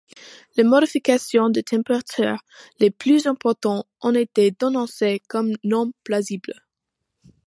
Les modifications de température les plus importantes ont été dénoncées comme non plausibles.